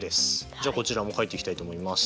じゃあこちらも書いていきたいと思います。